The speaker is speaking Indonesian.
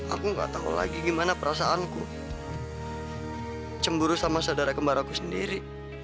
aku enggak tahu lagi gimana perasaanku cemburu sama saudara kembar aku sendiri